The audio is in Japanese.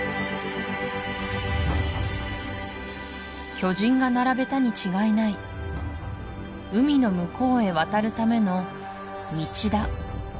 巨人が並べたに違いない海の向こうへ渡るための道だ